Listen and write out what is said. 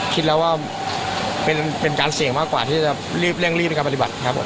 คิดแล้วว่าเป็นการเสี่ยงมากกว่าที่จะรีบเร่งรีบในการปฏิบัติครับผม